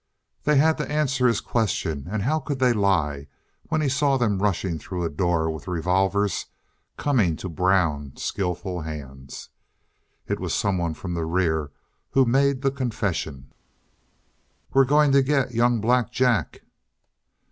They had to answer his question, and how could they lie when he saw them rushing through a door with revolvers coming to brown, skillful hands? It was someone from the rear who made the confession. "We're going to get young Black Jack!"